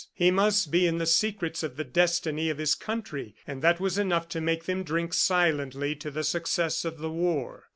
He must be in the secrets of the destiny of his country, and that was enough to make them drink silently to the success of the war.